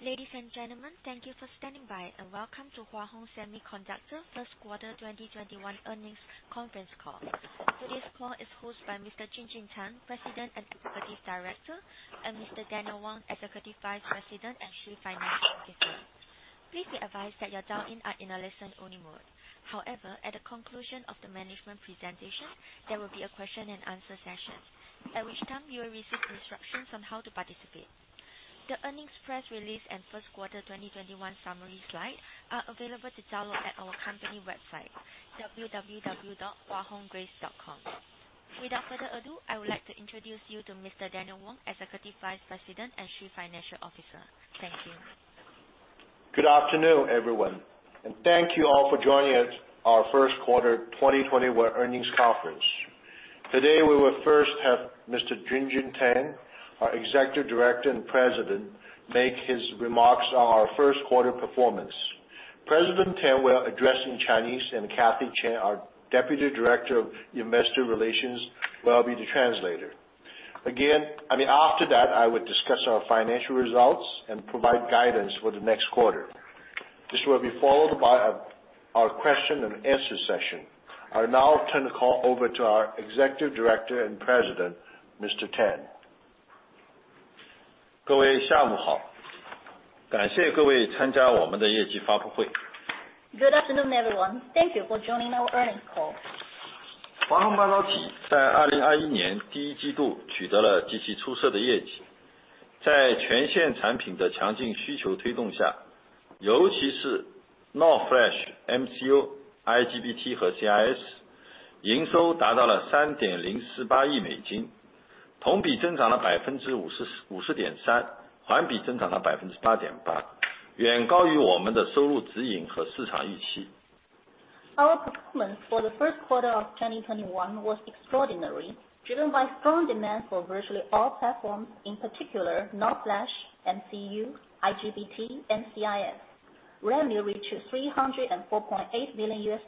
Ladies and gentlemen, thank you for standing by, and welcome to Hua Hong Semiconductor First Quarter 2021 Earnings Conference Call. Today's call is hosted by Mr. Junjun Tang, President and Executive Director, and Mr. Daniel Wang, Executive Vice President and Chief Financial Officer. Please be advised that your lines are in a listen-only mode. However, at the conclusion of the management presentation, there will be a question and answer session, at which time you will receive instructions on how to participate. The earnings press release and first quarter 2021 summary slide are available to download at our company website, www.huahonggrace.com. Without further ado, I would like to introduce you to Mr. Daniel Wang, Executive Vice President and Chief Financial Officer. Thank you. Good afternoon, everyone, and thank you all for joining our first quarter 2021 earnings conference. Today, we will first have Mr. Junjun Tang, our Executive Director and President, make his remarks on our first quarter performance. President Tang will address in Chinese, and Cathy Chien, our Deputy Director of Investor Relations, will be the translator. After that, I will discuss our financial results and provide guidance for the next quarter. This will be followed by our question and answer session. I will now turn the call over to our Executive Director and President, Mr. Tang. Good afternoon, everyone. Thank you for joining our earnings call. Our performance for the first quarter of 2021 was extraordinary, driven by strong demand for virtually all platforms, in particular, NOR flash, MCU, IGBT and CIS. Revenue reached $304.8 million,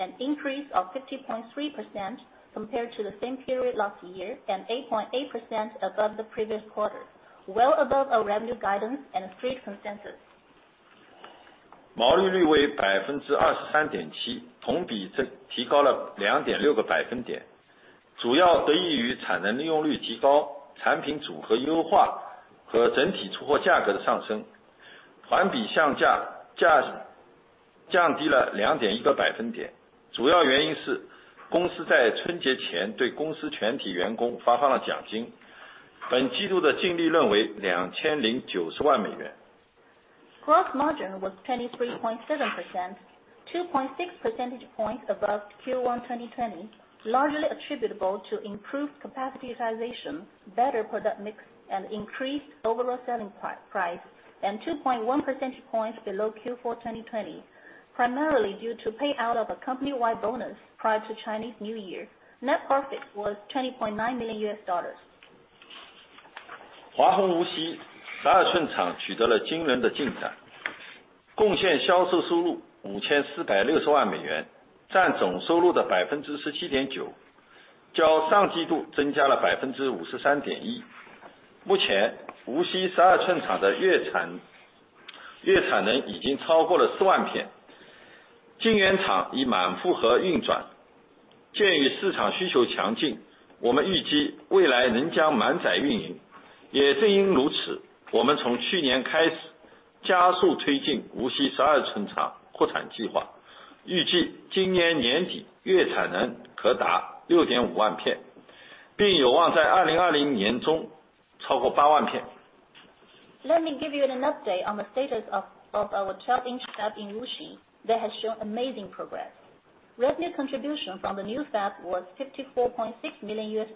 an increase of 50.3% compared to the same period last year, and 8.8% above the previous quarter, well above our revenue guidance and street consensus. Gross margin was 23.7%, 2.6 percentage points above Q1 2020, largely attributable to improved capacity utilization, better product mix, and increased overall selling price, and 2.1 percentage points below Q4 2020, primarily due to payout of a company-wide bonus prior to Chinese New Year. Net profit was $20.9 million. Let me give you an update on the status of our 12-inch fab in Wuxi that has shown amazing progress. Revenue contribution from the new fab was $54.6 million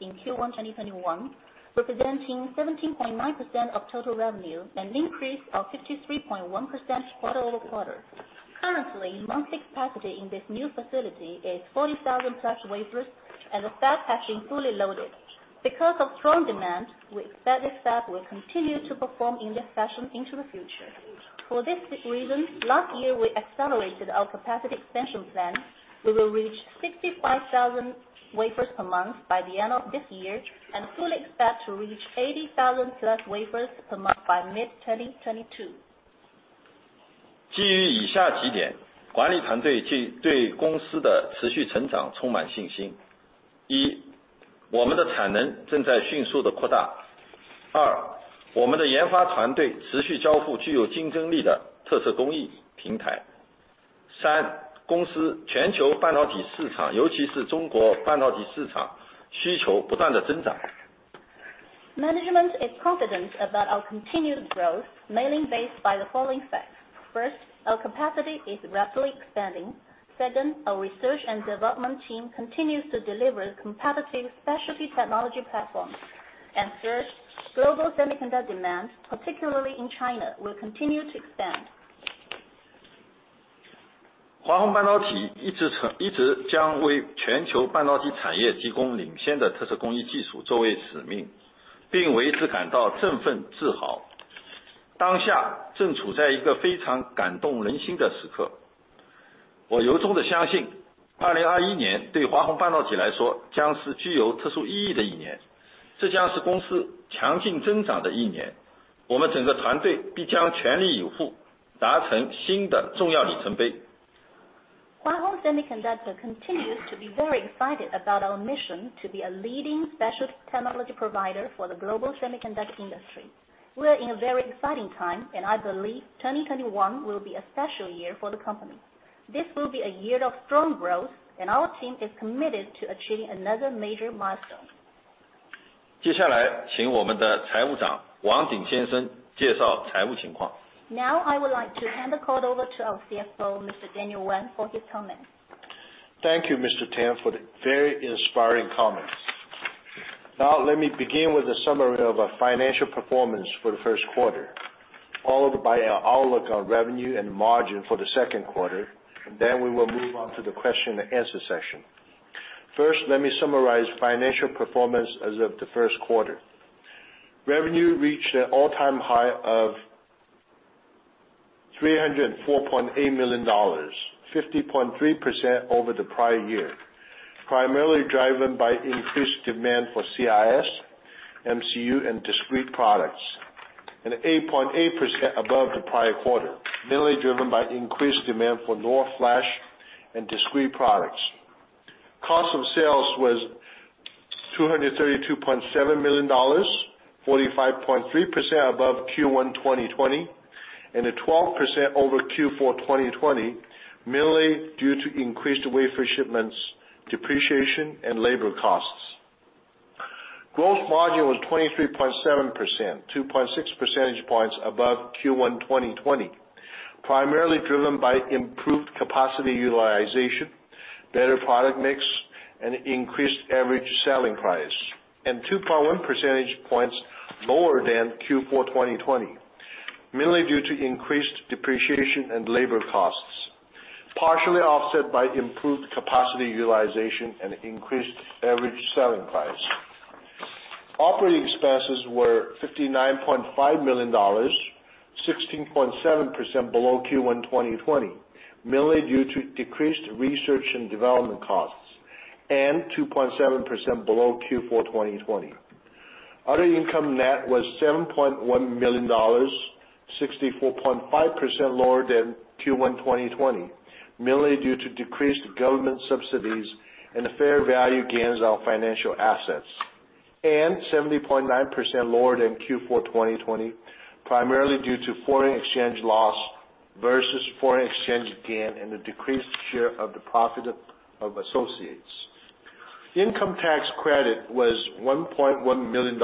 in Q1 2021, representing 17.9% of total revenue, an increase of 53.1% quarter-over-quarter. Currently, monthly capacity in this new facility is 40,000 plus wafers, and the fab has been fully loaded. Because of strong demand, we expect this fab will continue to perform in this fashion into the future. For this reason, last year we accelerated our capacity expansion plans. We will reach 65,000 wafers per month by the end of this year, and fully expect to reach 80,000 plus wafers per month by mid-2022. Management is confident about our continued growth, mainly based by the following facts. First, our capacity is rapidly expanding. Second, our research and development team continues to deliver competitive specialty technology platforms. Third, global semiconductor demand, particularly in China, will continue to expand. 我由衷地相信，2021年对华虹半导体来说将是具有特殊意义的一年，这将是公司强劲增长的一年，我们整个团队必将全力以赴，达成新的重要里程碑。Hua Hong Semiconductor continues to be very excited about our mission to be a leading special technology provider for the global semiconductor industry. We are in a very exciting time. I believe 2021 will be a special year for the company. This will be a year of strong growth. Our team is committed to achieving another major milestone. 接下来请我们的财务长王鼎先生介绍财务情况。I would like to hand the call over to our CFO, Mr. Daniel Wang, for his comments. Thank you, Mr. Tang, for the very inspiring comments. Let me begin with a summary of our financial performance for the first quarter, followed by our outlook on revenue and margin for the second quarter. We will move on to the question and answer session. First, let me summarize financial performance as of the first quarter. Revenue reached an all-time high of $304.8 million, 50.3% over the prior year, primarily driven by increased demand for CIS, MCU, and discrete products. 8.8% above the prior quarter, mainly driven by increased demand for NOR flash and discrete products. Cost of sales was $232.7 million, 45.3% above Q1 2020. 12% over Q4 2020, mainly due to increased wafer shipments, depreciation, and labor costs. Gross margin was 23.7%, 2.6 percentage points above Q1 2020, primarily driven by improved capacity utilization, better product mix, and increased average selling price. 2.1 percentage points lower than Q4 2020, mainly due to increased depreciation and labor costs, partially offset by improved capacity utilization and increased average selling price. Operating expenses were $59.5 million, 16.7% below Q1 2020, mainly due to decreased research and development costs. 2.7% below Q4 2020. Other income net was $7.1 million, 64.5% lower than Q1 2020, mainly due to decreased government subsidies and fair value gains on financial assets. 70.9% lower than Q4 2020, primarily due to foreign exchange loss versus foreign exchange gain and the decreased share of the profit of associates. Income tax credit was $1.1 million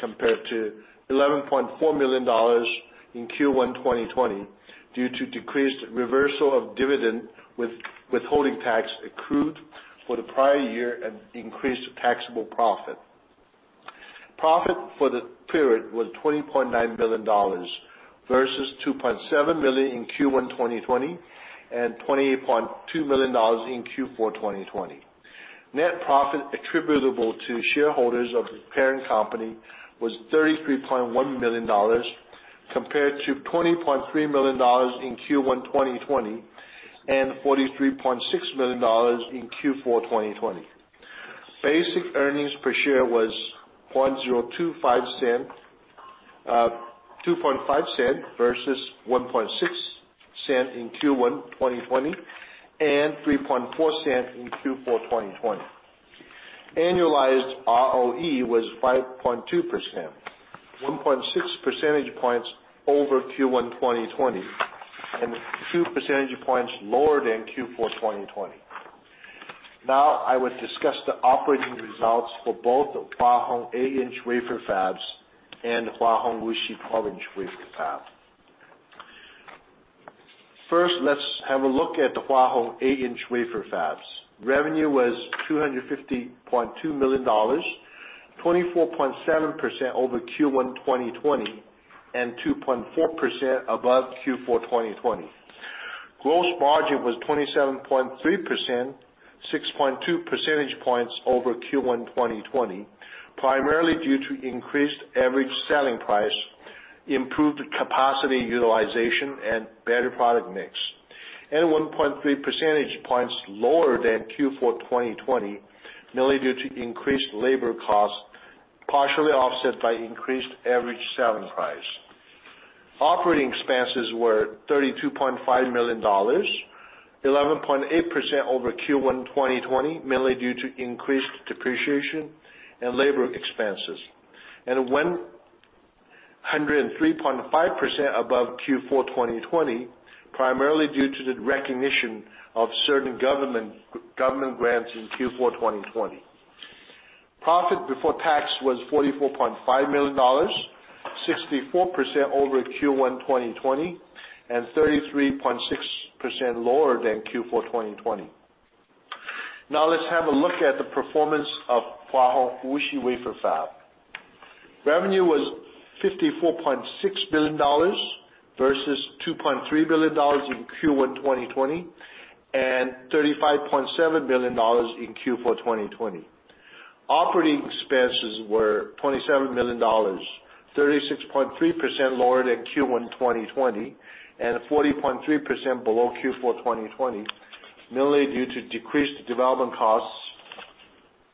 compared to $11.4 million in Q1 2020 due to decreased reversal of dividend withholding tax accrued for the prior year and increased taxable profit. Profit for the period was $20.9 million versus $2.7 million in Q1 2020 and $28.2 million in Q4 2020. Net profit attributable to shareholders of the parent company was $33.1 million, compared to $20.3 million in Q1 2020 and $43.6 million in Q4 2020. Basic earnings per share was $0.025 versus $0.016 in Q1 2020 and $0.034 in Q4 2020. Annualized ROE was 5.2%, 1.6 percentage points over Q1 2020 and 2 percentage points lower than Q4 2020. Now I will discuss the operating results for both the Hua Hong 8-inch wafer fabs and Hua Hong Wuxi 12-inch wafer fab. First, let's have a look at the Hua Hong 8-inch wafer fabs. Revenue was $250.2 million, 24.7% over Q1 2020, and 2.4% above Q4 2020. Gross margin was 27.3%, 6.2 percentage points over Q1 2020, primarily due to increased average selling price, improved capacity utilization, and better product mix, and 1.3 percentage points lower than Q4 2020, mainly due to increased labor costs, partially offset by increased average selling price. Operating expenses were $32.5 million, 11.8% over Q1 2020, mainly due to increased depreciation and labor expenses, and 103.5% above Q4 2020, primarily due to the recognition of certain government grants in Q4 2020. Profit before tax was $44.5 million, 64% over Q1 2020, and 33.6% lower than Q4 2020. Now let's have a look at the performance of Hua Hong Wuxi wafer fab. Revenue was $54.6 million versus $2.3 million in Q1 2020 and $35.7 million in Q4 2020. Operating expenses were $27 million, 36.3% lower than Q1 2020, and 40.3% below Q4 2020, mainly due to decreased development costs,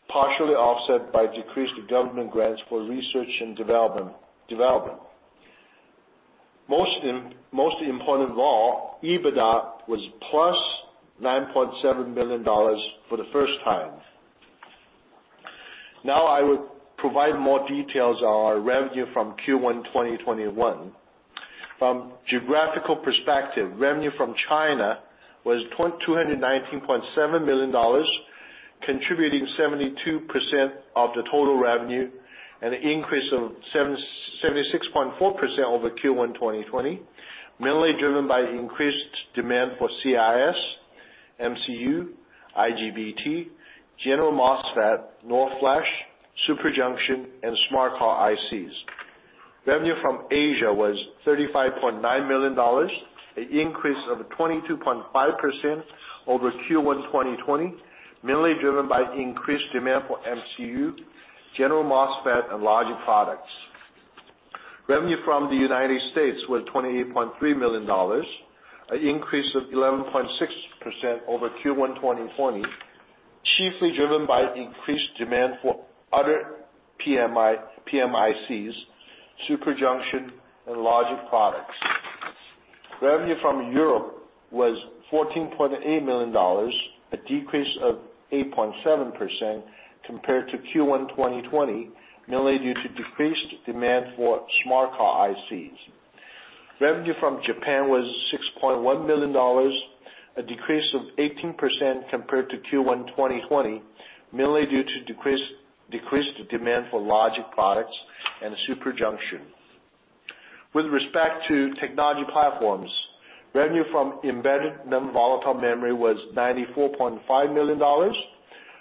partially offset by decreased government grants for research and development. Most important of all, EBITDA was plus $9.7 million for the first time. Now I will provide more details on our revenue from Q1 2021. From geographical perspective, revenue from China was $219.7 million, contributing 72% of the total revenue, an increase of 76.4% over Q1 2020, mainly driven by increased demand for CIS, MCU, IGBT, general MOSFET, NOR flash, super junction, and smart card ICs. Revenue from Asia was $35.9 million, an increase of 22.5% over Q1 2020, mainly driven by increased demand for MCU, general MOSFET, and logic products. Revenue from the U.S. was $28.3 million, an increase of 11.6% over Q1 2020, chiefly driven by increased demand for other PMICs, super junction, and logic products. Revenue from Europe was $14.8 million, a decrease of 8.7% compared to Q1 2020, mainly due to decreased demand for smart card ICs. Revenue from Japan was $6.1 million, a decrease of 18% compared to Q1 2020, mainly due to decreased demand for logic products and super junction. With respect to technology platforms, revenue from embedded non-volatile memory was $94.5 million,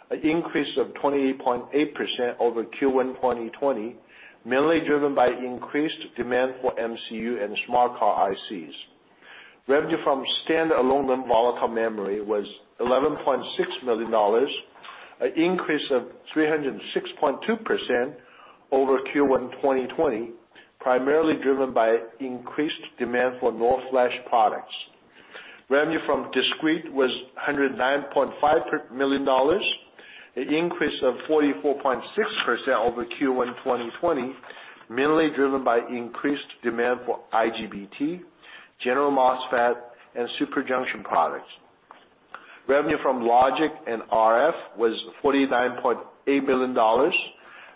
an increase of 28.8% over Q1 2020, mainly driven by increased demand for MCU and smart card ICs. Revenue from standalone non-volatile memory was $11.6 million, an increase of 306.2% over Q1 2020, primarily driven by increased demand for NOR flash products. Revenue from discrete was $109.5 million, an increase of 44.6% over Q1 2020, mainly driven by increased demand for IGBT, general MOSFET, and super junction products. Revenue from logic and RF was $49.8 million,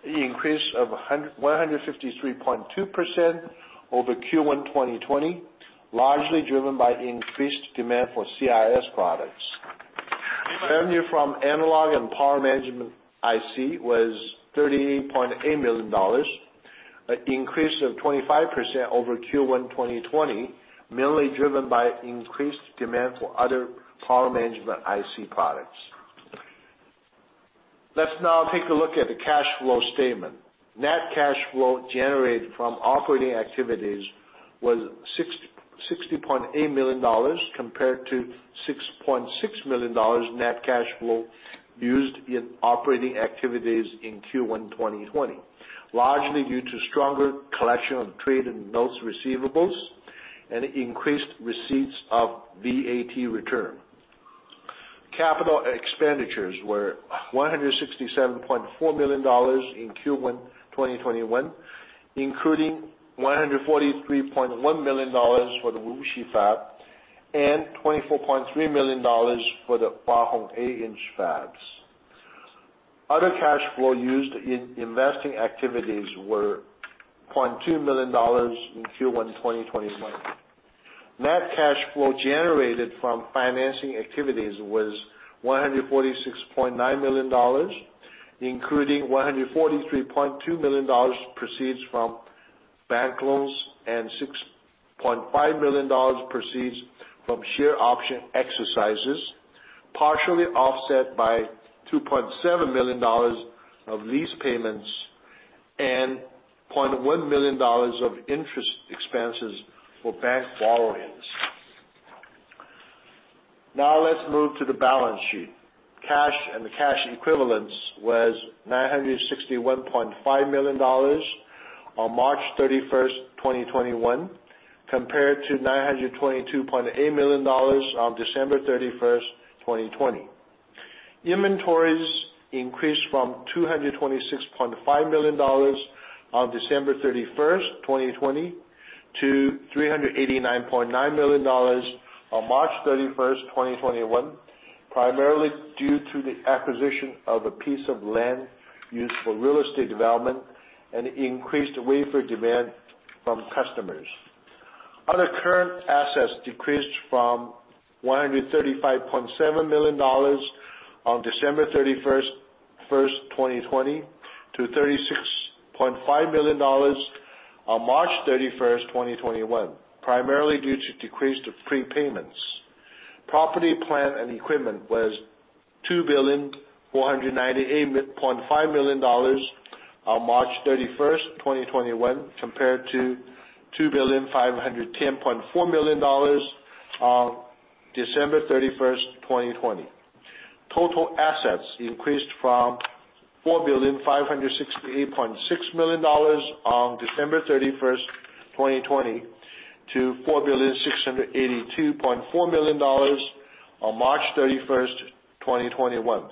an increase of 153.2% over Q1 2020, largely driven by increased demand for CIS products. Revenue from analog and power management IC was $38.8 million, an increase of 25% over Q1 2020, mainly driven by increased demand for other power management IC products. Let's now take a look at the cash flow statement. Net cash flow generated from operating activities was $60.8 million, compared to $6.6 million in net cash flow used in operating activities in Q1 2020, largely due to stronger collection of trade and notes receivables and increased receipts of VAT return. Capital expenditures were $167.4 million in Q1 2021, including $143.1 million for the Wuxi fab and $24.3 million for the Hua Hong 8-inch fabs. Other cash flow used in investing activities were $0.2 million in Q1 2021. Net cash flow generated from financing activities was $146.9 million, including $143.2 million proceeds from bank loans and $6.5 million proceeds from share option exercises, partially offset by $2.7 million of lease payments and $0.1 million of interest expenses for bank borrowings. Let's move to the balance sheet. Cash and cash equivalents was $961.5 million on March 31st, 2021, compared to $922.8 million on December 31st, 2020. Inventories increased from $226.5 million on December 31st, 2020, to $389.9 million on March 31st, 2021, primarily due to the acquisition of a piece of land used for real estate development and increased wafer demand from customers. Other current assets decreased from $135.7 million on December 31st, 2020, to $36.5 million on March 31st, 2021, primarily due to decreased prepayments. Property, plant, and equipment was $2,498.5 million on March 31st, 2021, compared to $2,510.4 million on December 31st, 2020. Total assets increased from $4,568,600,000 on December 31st, 2020 to $4,682,400,000 on March 31st, 2021.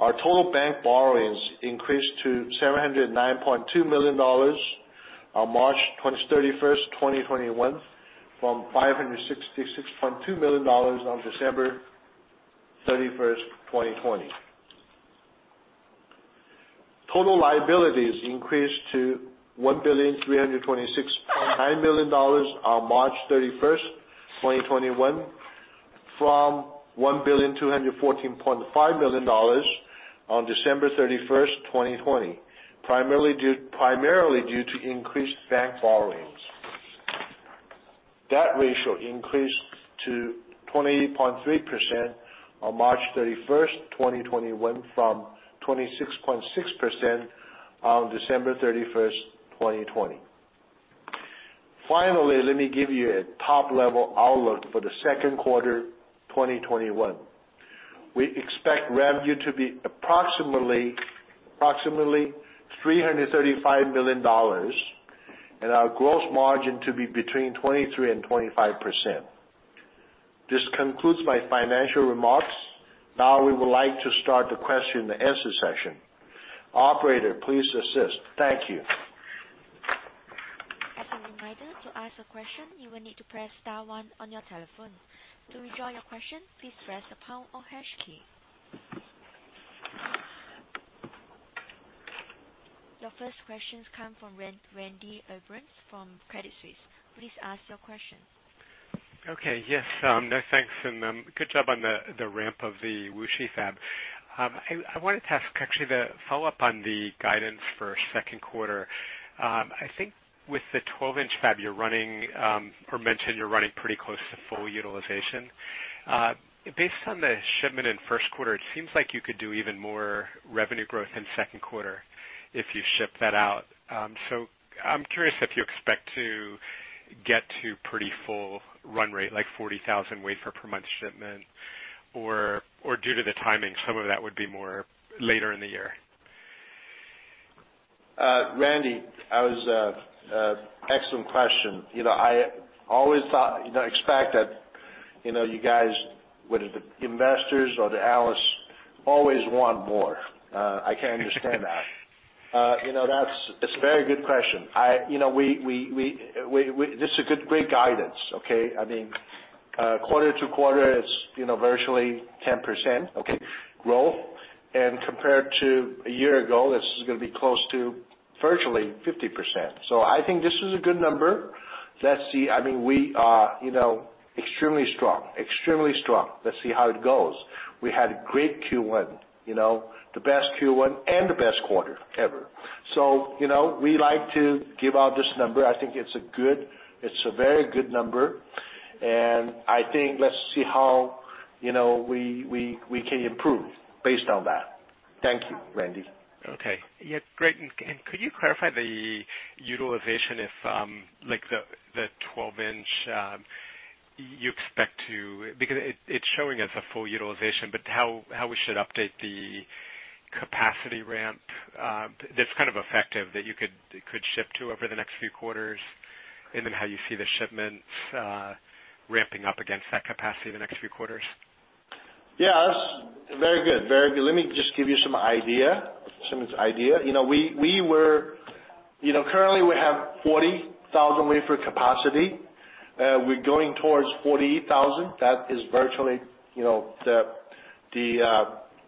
Our total bank borrowings increased to $709.2 million on March 31st, 2021, from $566.2 million on December 31st, 2020. Total liabilities increased to $1,326,900,000 on March 31st, 2021 from $1,214,500,000 on December 31st, 2020, primarily due to increased bank borrowings. Debt ratio increased to 20.3% on March 31st, 2021, from 26.6% on December 31st, 2020. Finally, let me give you a top-level outlook for the second quarter 2021. We expect revenue to be approximately $335 million, and our gross margin to be between 23% and 25%. This concludes my financial remarks. We would like to start the question and answer session. Operator, please assist. Thank you. As a reminder, to ask a question, you will need to press star 1 on your telephone. To withdraw your question, please press the pound or hash key. Your first questions come from Randy Abrams from Credit Suisse. Please ask your question. Okay. Yes. No, thanks, and good job on the ramp of the Wuxi fab. I wanted to ask actually the follow-up on the guidance for second quarter. I think with the 12-inch fab, you're running, or mentioned you're running pretty close to full utilization. Based on the shipment in first quarter, it seems like you could do even more revenue growth in second quarter if you ship that out. I'm curious if you expect to get to pretty full run rate, like 40,000 wafer per month shipment, or due to the timing, some of that would be more later in the year. Randy, excellent question. I always expect that you guys, whether the investors or the analysts, always want more. I can understand that. It's a very good question. This is a great guidance. I mean, quarter to quarter, it's virtually 10% growth. Compared to a year ago, this is going to be close to virtually 50%. I think this is a good number. Let's see. I mean, we are extremely strong. Let's see how it goes. We had a great Q1. The best Q1 and the best quarter ever. We like to give out this number. I think it's a very good number, and I think, let's see how we can improve based on that. Thank you, Randy. Okay. Yeah. Great. Could you clarify the utilization, like the 12-inch. It's showing as a full utilization, but how we should update the capacity ramp that's effective that you could ship to over the next few quarters, and then how you see the shipments ramping up against that capacity the next few quarters? Yeah. Very good. Let me just give you some idea. Currently, we have 40,000 wafer capacity. We're going towards 48,000. That is virtually mark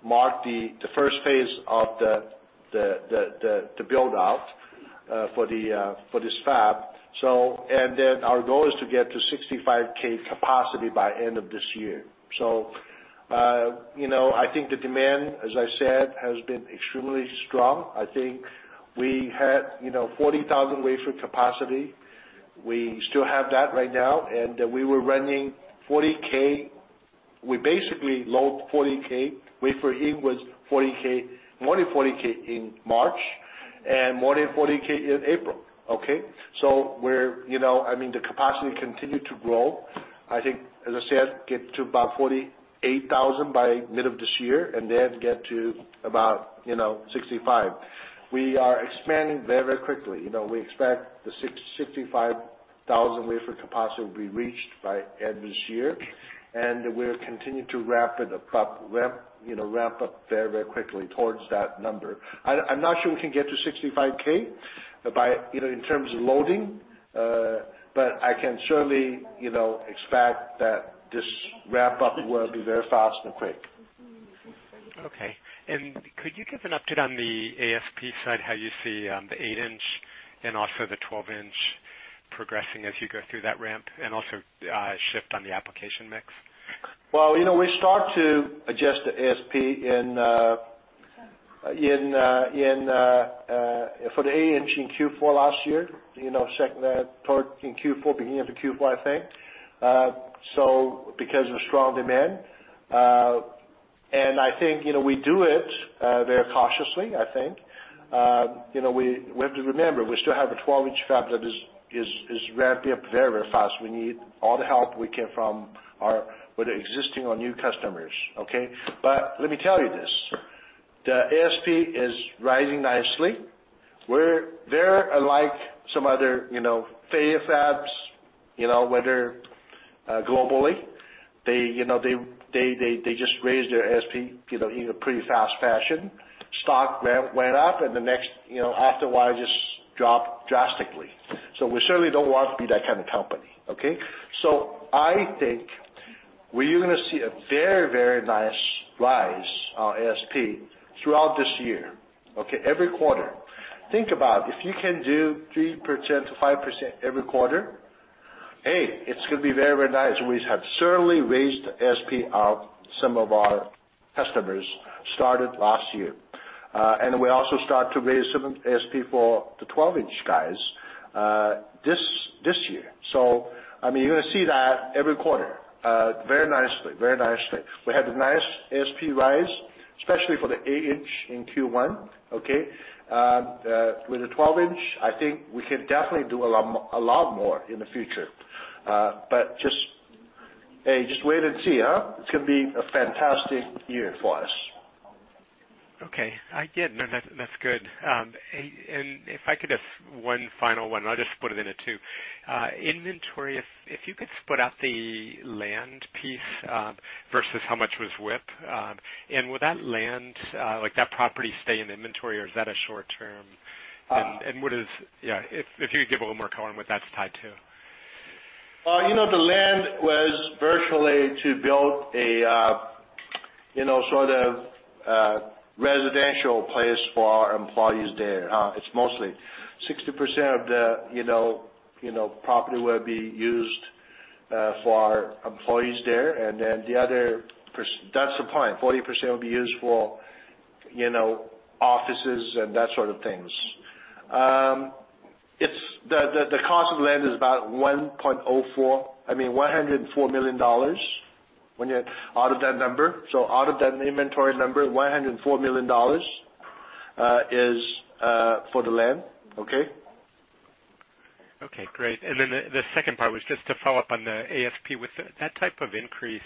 the first phase of the build-out for this fab. Our goal is to get to 65K capacity by end of this year. I think the demand, as I said, has been extremely strong. I think we had 40,000 wafer capacity. We still have that right now, and we were running 40K. We basically load 40K. Wafer in was 40K, more than 40K in March, and more than 40K in April. Okay? The capacity continued to grow. I think, as I said, get to about 48,000 by mid of this year, and then get to about 65. We are expanding very quickly. We expect the 65,000 wafer capacity will be reached by end of this year. We'll continue to ramp up very quickly towards that number. I'm not sure we can get to 65K in terms of loading, but I can certainly expect that this ramp up will be very fast and quick. Okay. Could you give an update on the ASP side, how you see the eight-inch and also the 12-inch progressing as you go through that ramp? Also, shift on the application mix. Well, we start to adjust the ASP for the eight-inch in Q4 last year, beginning of the Q4, I think. Because of strong demand, I think we do it very cautiously. We have to remember, we still have a 12-inch fab that is ramping up very fast. We need all the help we can from our existing or new customers. Let me tell you this, the ASP is rising nicely. Where there are some other fab shops, whether globally, they just raised their ASP in a pretty fast fashion. Stock went up and afterwards just dropped drastically. We certainly don't want to be that kind of company. I think we are going to see a very nice rise on ASP throughout this year. Every quarter. Think about it, if you can do 3%-5% every quarter, it's going to be very nice. We have certainly raised the ASP of some of our customers, started last year. We also start to raise some ASP for the 12-inch guys this year. You're going to see that every quarter, very nicely. We had a nice ASP rise, especially for the eight-inch in Q1. With the 12-inch, I think we can definitely do a lot more in the future. Just wait and see. It's going to be a fantastic year for us. Okay. That's good. If I could have one final one, I'll just put it in at two. Inventory, if you could split out the land piece versus how much was WIP. Would that land, that property, stay in inventory or is that a short-term? If you could give a little more color on what that's tied to. The land was virtually to build a sort of residential place for our employees there. It's mostly. 60% of the property will be used for our employees there. That's the point. 40% will be used for offices and that sort of things. The cost of land is about $104 million, out of that number. Out of that inventory number, $104 million is for the land. Okay, great. The second part was just to follow up on the ASP. With that type of increase,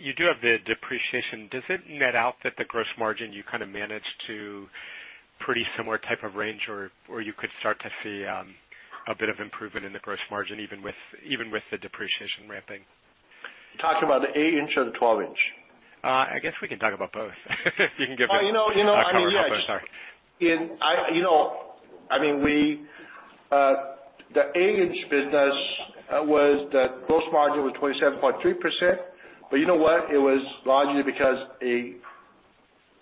you do have the depreciation. Does it net out that the gross margin you kind of manage to pretty similar type of range or you could start to see a bit of improvement in the gross margin even with the depreciation ramping? You talking about the 8-inch or the 12-inch? I guess we can talk about both. You can. The 8-inch business, the gross margin was 27.3%. You know what? It was largely because a Chinese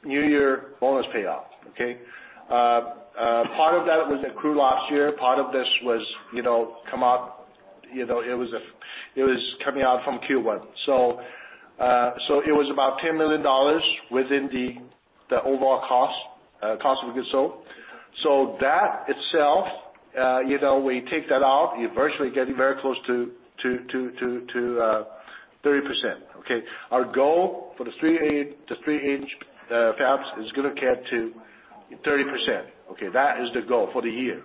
New Year bonus payoff. Part of that was accrued last year. Part of this was coming out from Q1. It was about $10 million within the overall cost of goods sold. That itself, we take that out, you're virtually getting very close to 30%. Our goal for the three 8-inch fabs is going to get to 30%. That is the goal for the year.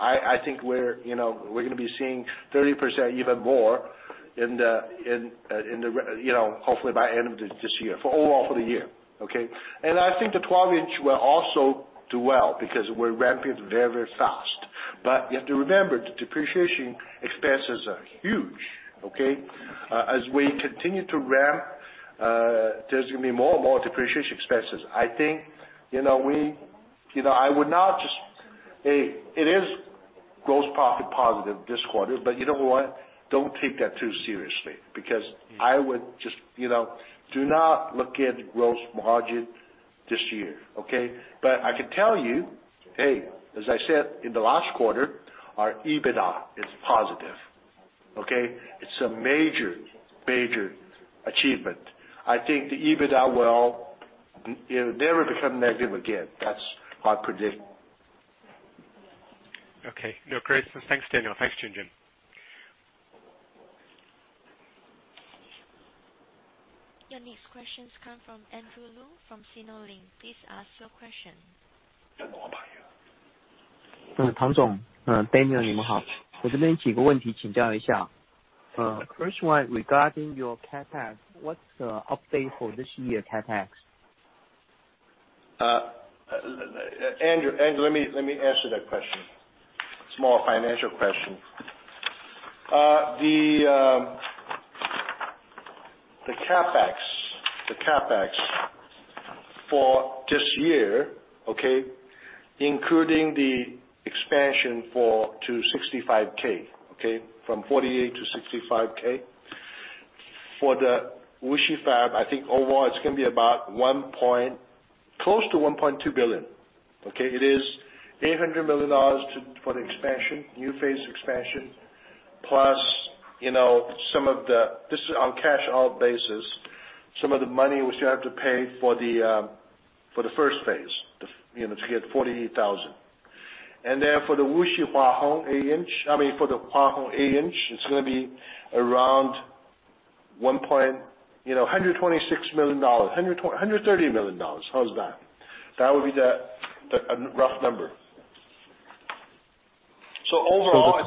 I think we're going to be seeing 30% even more hopefully by end of this year, overall for the year. I think the 12-inch will also do well because we're ramping very fast. You have to remember, the depreciation expenses are huge. As we continue to ramp, there's going to be more and more depreciation expenses. It is gross profit positive this quarter, you know what? Don't take that too seriously because do not look at gross margin this year. I can tell you, as I said in the last quarter, our EBITDA is positive. It's a major achievement. I think the EBITDA will never become negative again. That's my prediction. Okay. No, great. Thanks, Daniel. Thanks, Junjun. Your next questions come from Andrew Lu from Sinolink Securities. Please ask your question. Tang Zhong, Daniel, First one regarding your CapEx. What's the update for this year CapEx? Andrew, let me answer that question. It's more a financial question. The CapEx for this year, including the expansion to 65K. From 48 to 65K. For the Hua Hong Wuxi, I think overall it's going to be close to $1.2 billion. It is $800 million for the new phase expansion, this is on cash-out basis, plus some of the money which you have to pay for the first phase, to get 48,000. Then for the Hua Hong 8-inch wafer fabs, it's going to be around $126 million, $130 million. How's that? That would be the rough number. About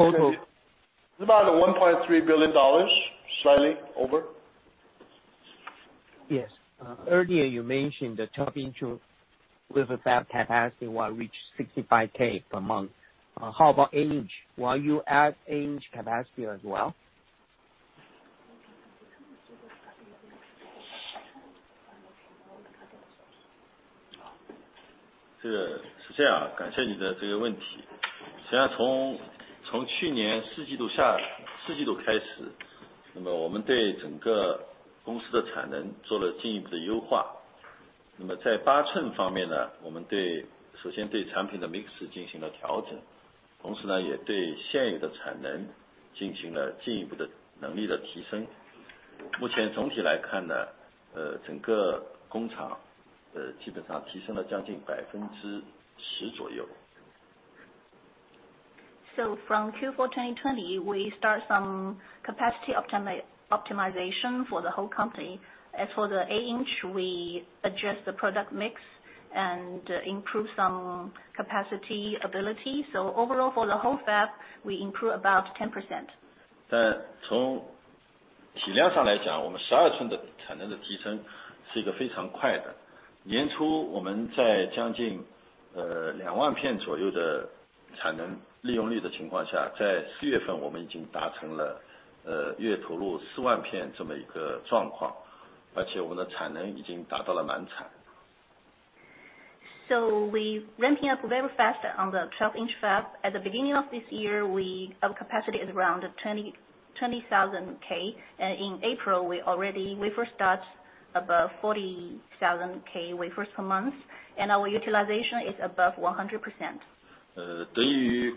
$1.3 billion, slightly over. Yes. Earlier you mentioned the 12-inch with a fab capacity will reach 65K per month. How about 8-inch? Will you add 8-inch capacity as well? From Q4 2020, we start some capacity optimization for the whole company. As for the 8-inch, we adjust the product mix and improve some capacity ability. Overall for the whole fab, we improve about 10%. We ramping up very fast on the 12-inch fab. At the beginning of this year, our capacity is around 20,000 K. In April, we first start above 40,000 K wafers per month, and our utilization is above 100%. Thanks to the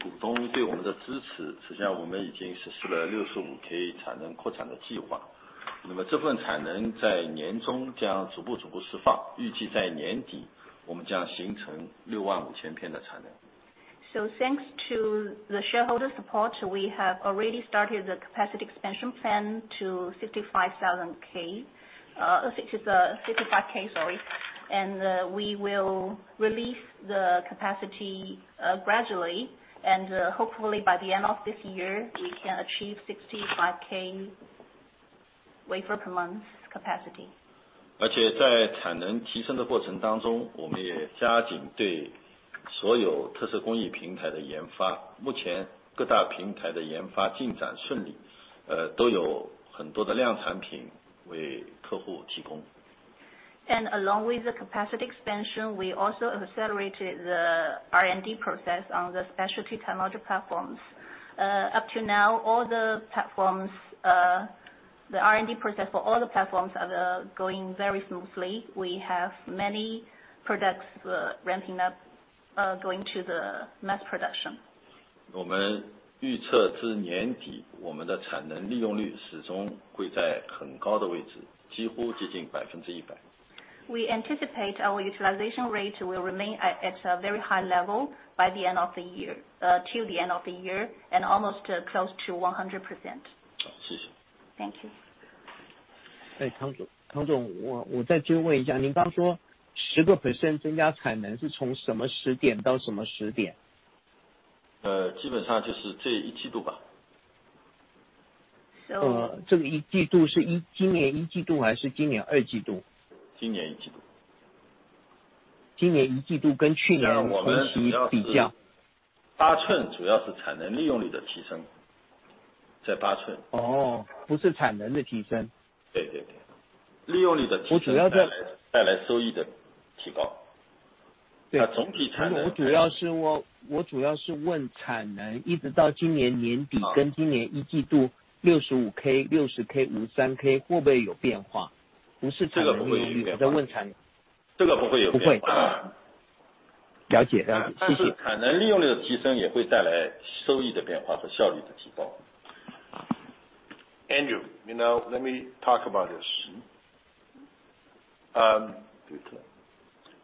shareholder support, we have already started the capacity expansion plan to 55K. We will release the capacity gradually, and hopefully by the end of this year, we can achieve 65K wafer per month capacity. Along with the capacity expansion, we also accelerated the R&D process on the specialty technology platforms. Up to now, the R&D process for all the platforms are going very smoothly. We have many products ramping up, going to the mass production. We anticipate our utilization rate will remain at a very high level till the end of the year, and almost close to 100%. Thank you. Andrew, let me talk about this.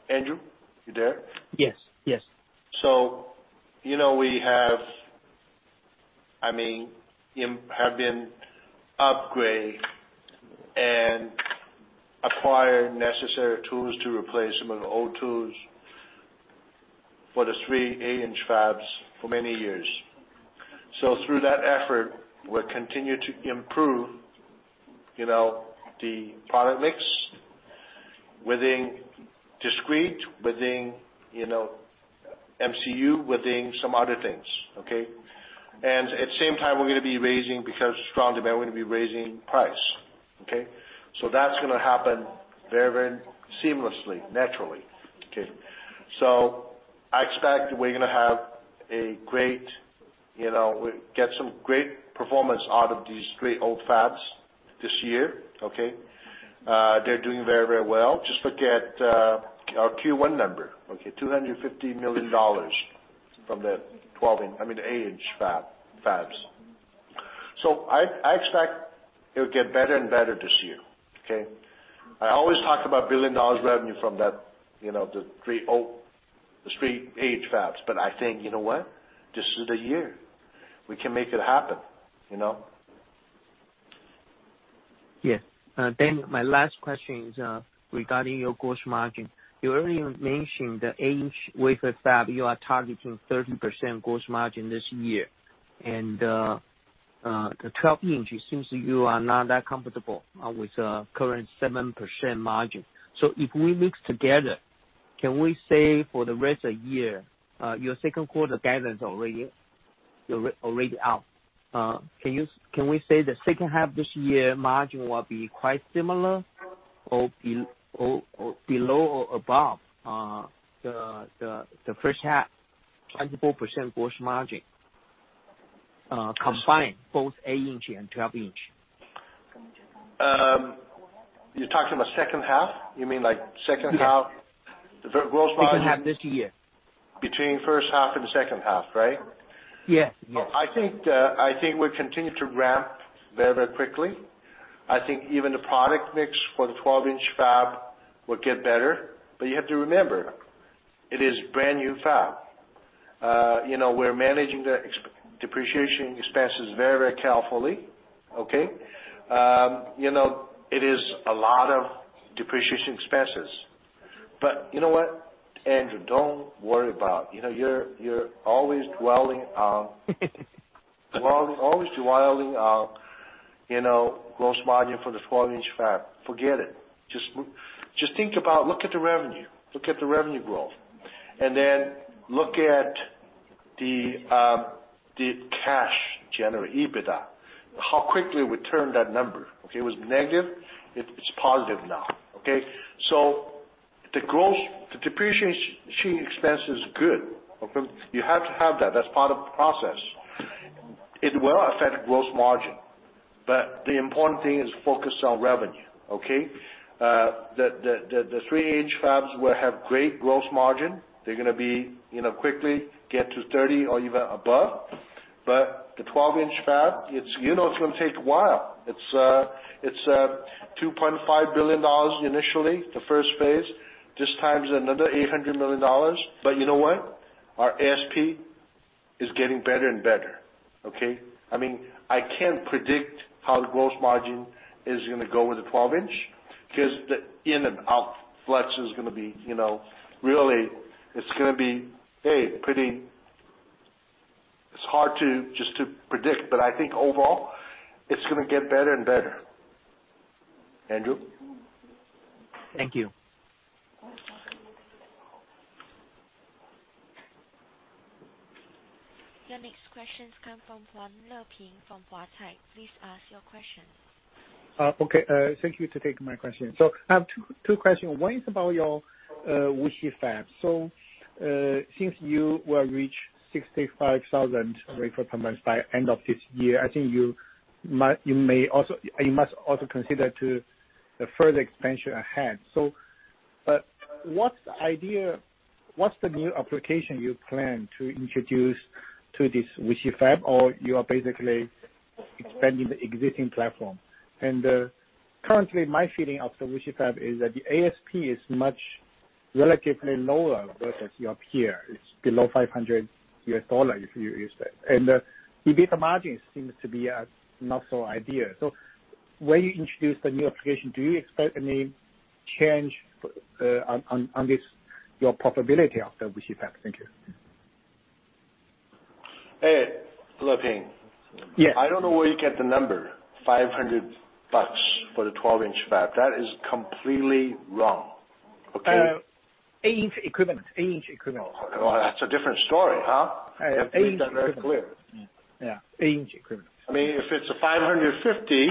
Andrew, you there? Yes. We have been upgrade and acquire necessary tools to replace some of the old tools for the three 8-inch fabs for many years. Through that effort, we're continue to improve the product mix within discrete, within MCU, within some other things. Okay? At the same time, because strong demand, we're going to be raising price. Okay? That's going to happen very seamlessly, naturally. Okay? I expect we get some great performance out of these three old fabs this year. Okay? They're doing very well. Just look at our Q1 number. Okay? $250 million from the 8-inch fabs. I expect it will get better and better this year. Okay. I always talk about $1 billion revenue from the three 8-inch fabs, but I think, you know what? This is the year. We can make it happen. Yes. My last question is regarding your gross margin. You already mentioned the 8-inch wafer fab, you are targeting 30% gross margin this year. The 12-inch, it seems you are not that comfortable with the current 7% margin. If we mix together, can we say for the rest of the year, your second quarter guidance already out. Can we say the second half of this year margin will be quite similar or below or above the first half, 24% gross margin, combined both 8-inch and 12-inch? You're talking about second half? You mean like second half- Yes. The gross margin? Second half this year. Between first half and the second half, right? Yeah. I think we continue to ramp very quickly. I think even the product mix for the 12-inch fab will get better. You have to remember, it is brand new fab. We're managing the depreciation expenses very carefully. Okay. It is a lot of depreciation expenses. You know what, Andrew? Don't worry about. You're always dwelling on gross margin for the 12-inch fab. Forget it. Just think about, look at the revenue. Look at the revenue growth, and then look at the cash generate, EBITDA, how quickly we turn that number. Okay. It was negative. It's positive now. Okay. The depreciation expense is good. Okay. You have to have that. That's part of the process. It will affect gross margin, but the important thing is focus on revenue. Okay. The three 8-inch fabs will have great gross margin. They're going to be quickly get to 30% or even above. The 12-inch fab, it's going to take a while. It's $2.5 billion initially, the first phase. This time is another $800 million. You know what? Our ASP is getting better and better. Okay. I can't predict how the gross margin is going to go with the 12-inch because the in and out flux is going to be really. It's hard to just to predict, I think overall, it's going to get better and better. Andrew. Thank you. Your next questions come from from Hua Hai. Please ask your question. Okay. Thank you to take my question. I have two questions. One is about your Wuxi fab. Since you will reach 65,000 wafers per month by end of this year, I think you must also consider the further expansion ahead. What's the new application you plan to introduce to this Wuxi fab, or you are basically expanding the existing platform? Currently, my feeling of the Wuxi fab is that the ASP is much relatively lower versus your peer. It's below $500 if you use that. The EBITDA margin seems to be not so ideal. When you introduce the new application, do you expect any change on this, your profitability of the Wuxi fab? Thank you. Hey, Yes. I don't know where you get the number $500 for the 12-inch fab. That is completely wrong. Okay? 8-inch equivalent. Oh, that's a different story, huh? Eight-inch equivalent. You have to be very clear. Yeah. Eight-inch equivalent. If it's a 550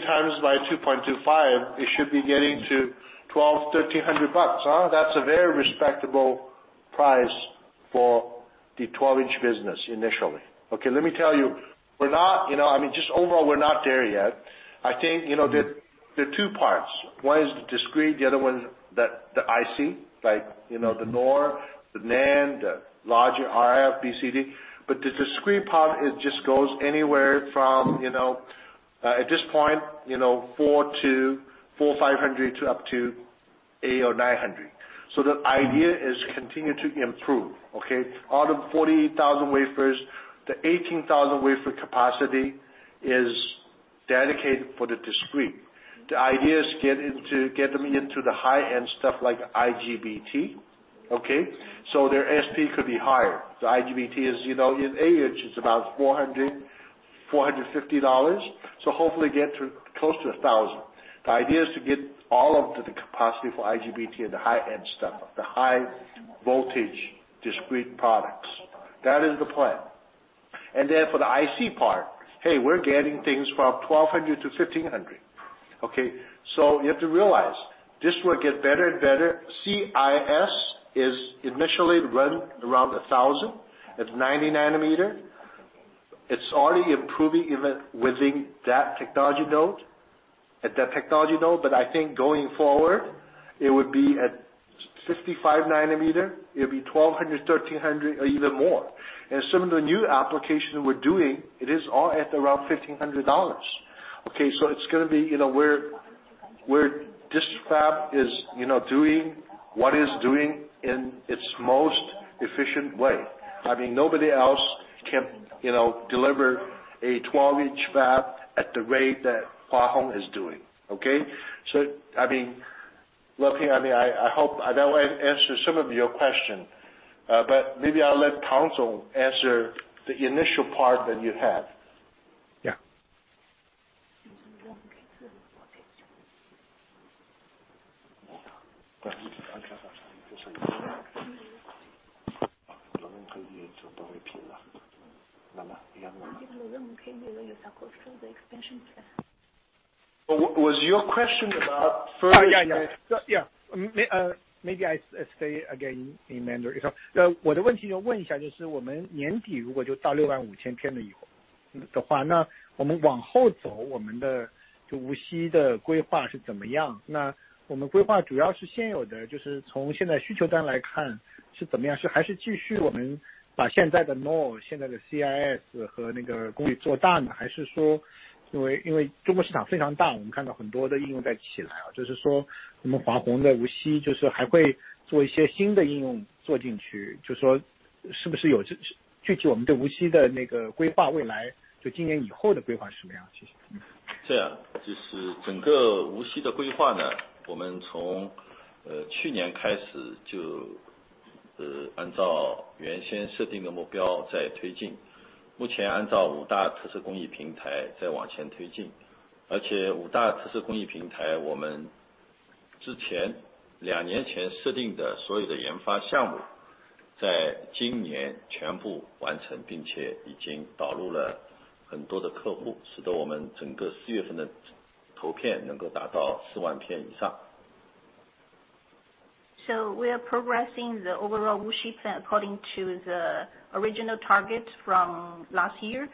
times by 2.25, it should be getting to $1,200-$1,300, huh. That's a very respectable price for the 12-inch business initially. Okay. Let me tell you. Just overall, we're not there yet. I think there are two parts. One is the discrete, the other one, the IC, like the NOR, the NAND, the larger RF, BCD. The discrete part, it just goes anywhere from, at this point $400-$500, to up to $800-$900. The idea is continue to improve. Okay? Out of 40,000 wafers, the 18,000 wafer capacity is dedicated for the discrete. The idea is get them into the high-end stuff like IGBT. Okay? Their ASP could be higher. The IGBT in 8-inch is about $400-$450, hopefully get close to $1,000. The idea is to get all of the capacity for IGBT and the high-end stuff, the high voltage discrete products. That is the plan. For the IC part, hey, we're getting things from $1,200 to $1,500. Okay? You have to realize, this will get better and better. CIS is initially run around $1,000. At 90 nm, it's already improving even within that technology node. At that technology node, but I think going forward it would be at 55 nm, it will be $1,200, $1,300 or even more. Some of the new applications we're doing, it is all at around $1,500. It's going to be where this fab is doing what it's doing in its most efficient way. I mean, nobody else can deliver a 12-inch fab at the rate that Hua Hong is doing. Okay? I mean, lucky I hope that will answer some of your question, but maybe I'll let Tongcong answer the initial part that you had. Yeah. Was your question about? We are progressing the overall Wuxi according to the original target from last year.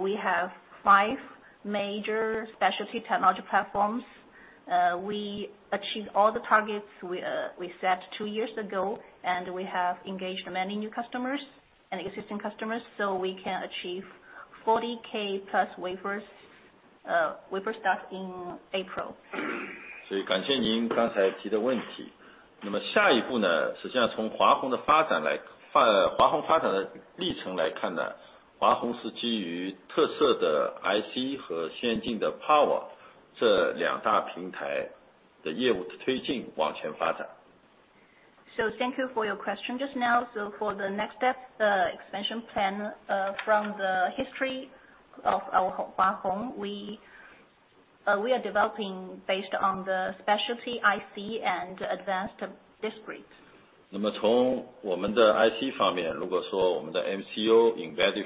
We have five major specialty technology platforms. We achieved all the targets we set two years ago, we have engaged many new customers and existing customers so we can achieve 40,000 plus wafer starts in April. 所以感谢您刚才提的问题。那么下一步呢，实际上从华虹发展的历程来看呢，华虹是基于特色的IC和先进的power这两大平台的业务推进往前发展。Thank you for your question just now. For the next step, the expansion plan from the history of Hua Hong, we are developing based on the specialty IC and advanced discrete. 那么从我们的IC方面，如果说我们的MCU、embedded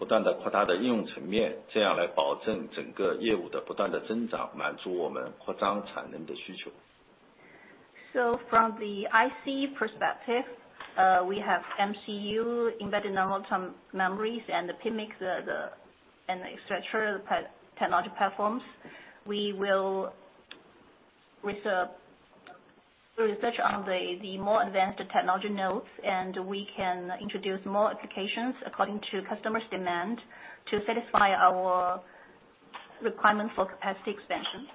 flash、电源管理等等平台，一方面我们在工艺方面，我们继续往先进的特色工艺支撑往下研发。另外，再从客户的应用端，不断地扩大它的应用层面，这样来保证整个业务的不断的增长，满足我们扩张产能的需求。From the IC perspective, we have MCU, embedded non-volatile memories and PMIC, and et cetera, the technology platforms. We will research on the more advanced technology nodes, and we can introduce more applications according to customers' demand to satisfy our requirements for capacity expansion.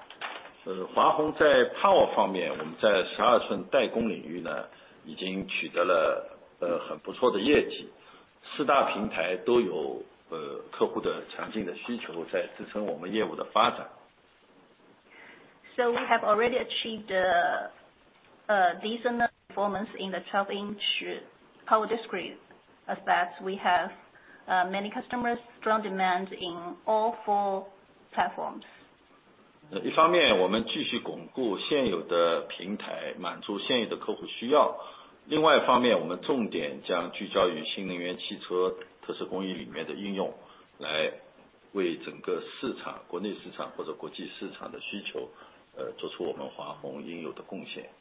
华虹在power方面，我们在12寸代工领域呢，已经取得了很不错的业绩，四大平台都有客户的强劲的需求，在支撑我们业务的发展。We have already achieved a decent performance in the 12-inch power discrete aspect. We have many customers, strong demand in all four platforms. 一方面我们继续巩固现有的平台，满足现有的客户需要。另外一方面，我们重点将聚焦于新能源汽车特色工艺里面的应用，来为整个市场，国内市场或者国际市场的需求，做出我们华虹应有的贡献。On one hand, we will continue to enhance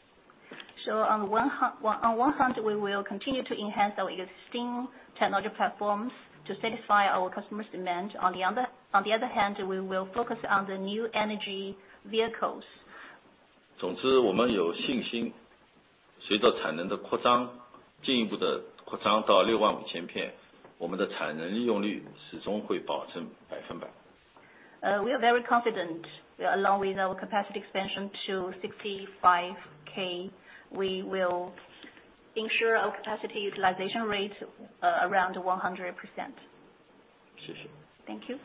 our existing technology platforms to satisfy our customers' demand. On the other hand, we will focus on the new energy vehicles. 总之，我们有信心，随着产能的扩张，进一步的扩张到六万五千片，我们的产能利用率始终会保证100%。We are very confident, along with our capacity expansion to 65,000, we will ensure our capacity utilization rate around 100%. 谢谢。Thank you.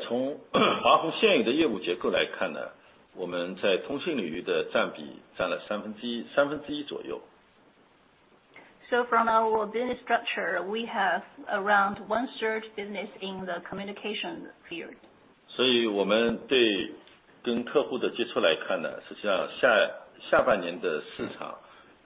从华虹现有的业务结构来看，我们在通讯领域的占比占了1/3左右。From our business structure, we have around 1/3 business in the communication field.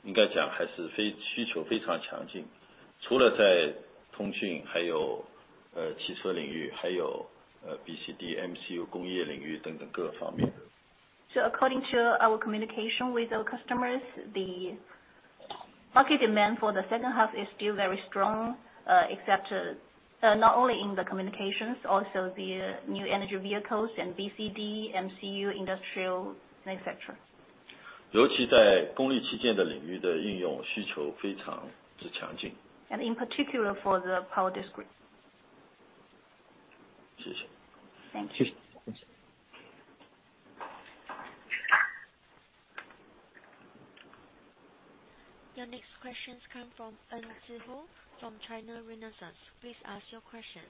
所以我们跟客户的接触来看，实际上下半年的市场应该讲还是需求非常强劲，除了在通讯，还有汽车领域，还有BCD、MCU、工业领域等等各方面。According to our communication with our customers, the market demand for the second half is still very strong, not only in the communications, also the new energy vehicles and BCD, MCU, industrial, etc. 尤其在功率器件的领域的应用需求非常之强劲。In particular for the power discrete. 谢谢。Thank you. 谢谢。Your next question comes from Enzhi Ho from China Renaissance. Please ask your question.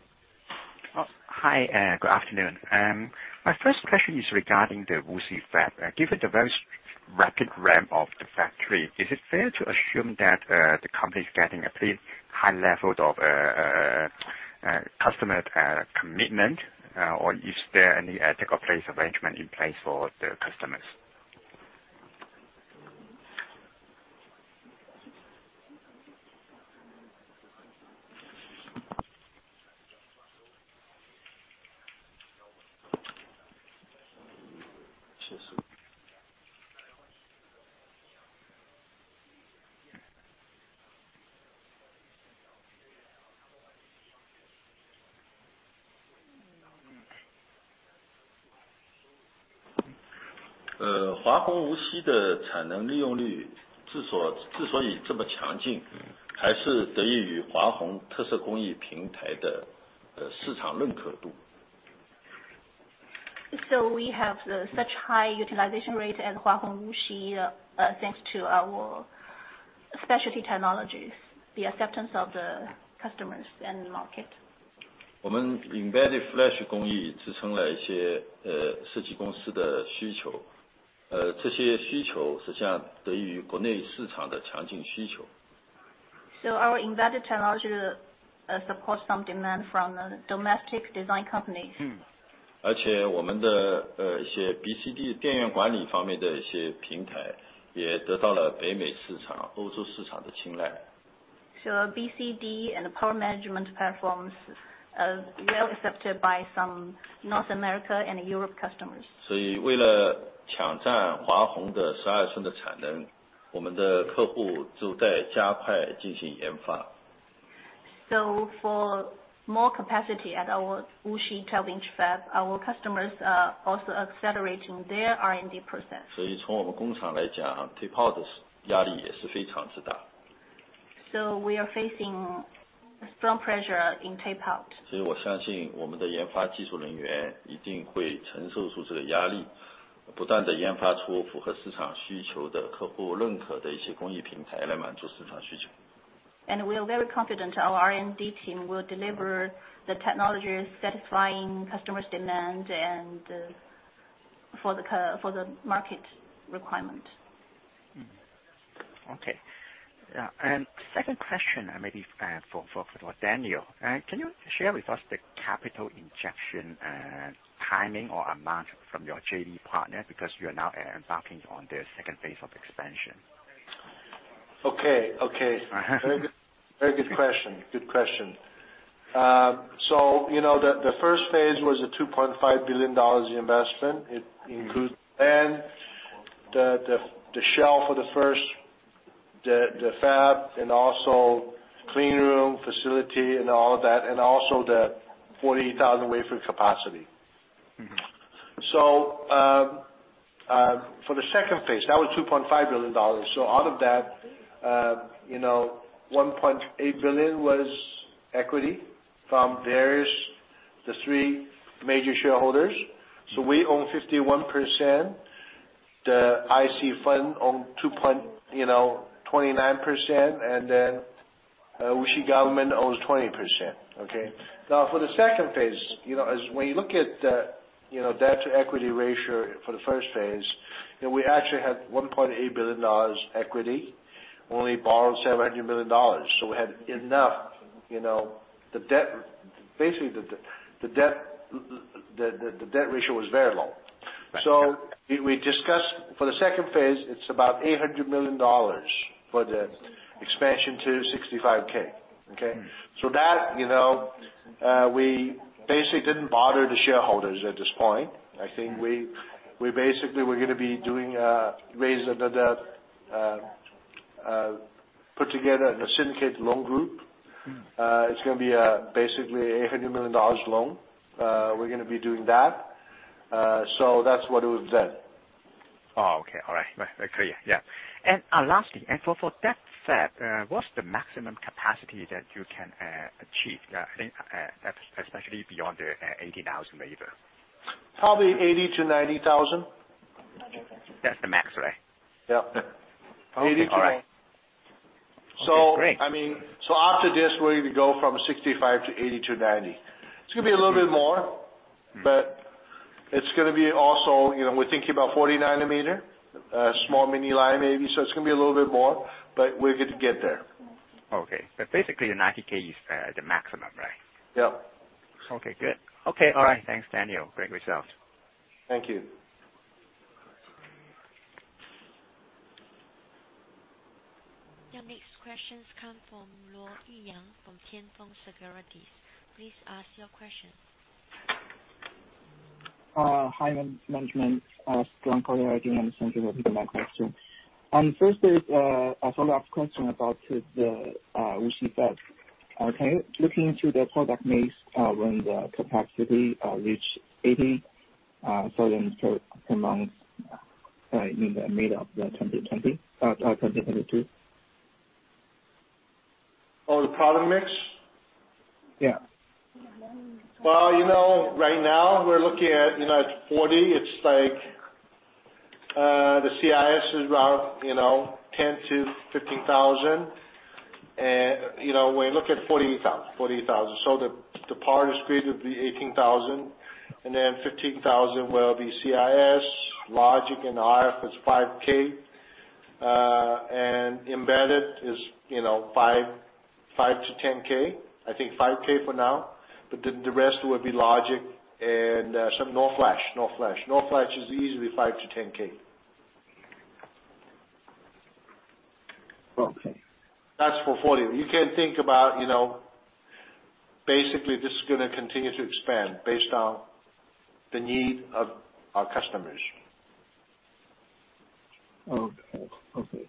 Hi, good afternoon. My first question is regarding the Wuxi fab. Given the very rapid ramp of the factory, is it fair to assume that the company is getting a pretty high level of customer commitment? Or is there any take-up place arrangement in place for the customers? 华虹无锡的产能利用率之所以这么强劲，还是得益于华虹特色工艺平台的市场认可度。We have such high utilization rate at Hua Hong Wuxi, thanks to our specialty technologies, the acceptance of the customers and the market. 我们embedded Flash工艺支撑了一些设计公司的需求，这些需求实际上得益于国内市场的强劲需求。Our embedded technology supports some demand from domestic design companies. 而且我们的一些BCD电源管理方面的一些平台，也得到了北美市场、欧洲市场的青睐。BCD and power management platforms are well accepted by some North America and Europe customers. 所以为了抢占华虹的12寸的产能，我们的客户就在加快进行研发。For more capacity at our Wuxi 12-inch fab, our customers are also accelerating their R&D process. 所以从我们工厂来讲，tape out的压力也是非常之大。we are facing strong pressure in tape out. 所以我相信我们的研发技术人员一定会承受住这个压力，不断地研发出符合市场需求的、客户认可的一些工艺平台，来满足市场需求。we are very confident our R&D team will deliver the technologies satisfying customers' demand and for the market requirement. Okay. Second question, maybe for Daniel, can you share with us the capital injection timing or amount from your JV partner? Because you are now embarking on the second phase of expansion. Okay. Very good question. The first phase was a $2.5 billion investment. It includes the land, the shell for the first fab, and also clean room, facility and all of that. The 48,000 wafer capacity. For the second phase, that was $2.5 billion. Out of that, $1.8 billion was equity from the three major shareholders. We own 51%, the IC fund own 29%, and then Wuxi government owns 20%. Okay? Now for the second phase, when you look at the debt to equity ratio for the first phase, we actually had $1.8 billion equity, only borrowed $700 million. We had enough. Basically the debt ratio was very low. We discussed for the second phase, it's about $800 million for the expansion to 65K. Okay. That, we basically didn't bother the shareholders at this point. I think we basically were going to be doing a raise of the debt. Put together the syndicate loan group. It's going to be basically a $100 million loan. We're going to be doing that. That's what it was then. Okay. All right. Very clear. Yeah. Lastly, for that fab, what's the maximum capacity that you can achieve? I think, especially beyond the 80,000 wafers. Probably 80 to 90,000. That's the max, right? Yep. Okay. All right. Eighty to- Great. After this, we're going to go from 65 to 80 to 90. It's going to be a little bit more. It's going to be also, we're thinking about 40 nm, small mini line maybe. It's going to be a little bit more, but we're good to get there. Okay. Basically, the 90 K is the maximum, right? Yep. Okay, good. Okay. All right. Thanks, Daniel. Great results. Thank you. Your next questions come from Luo Yang from Tianfeng Securities. Please ask your question. Hi, management. Thank you very much. First is a follow-up question about the Wuxi FAB. Looking into the product mix when the capacity reach 80, for the amount in the middle of 2022. The product mix? Yeah. Well, right now we're looking at 40. The CIS is around 10,000-15,000. We're looking at 48,000. The power discrete would be 18,000. 15,000 will be CIS. Logic and RF is 5K. Embedded is 5K-10K. I think 5K for now. The rest would be logic and some NOR flash. NOR flash is easily 5K-10K. Okay. That's for 40 nm. You can think about, basically, this is going to continue to expand based on the need of our customers. Okay.